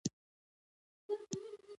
• ته د مینې پټ راز یې.